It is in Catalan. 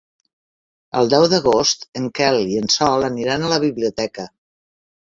El deu d'agost en Quel i en Sol aniran a la biblioteca.